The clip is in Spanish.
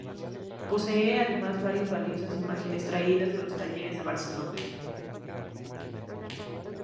Posee además varias valiosas imágenes traídas de los talleres de Barcelona.